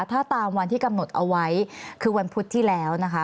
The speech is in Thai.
ถ้าตามวันที่กำหนดเอาไว้คือวันพุธที่แล้วนะคะ